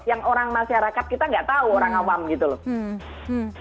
yang orang masyarakat kita nggak tahu orang awam gitu loh